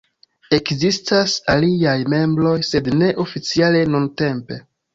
Ekzistas aliaj membroj, sed ne oficiale nuntempe.